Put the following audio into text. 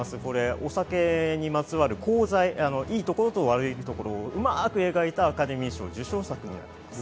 お酒にまつわるいいところと悪いところをうまく描いたアカデミー賞受賞作品です。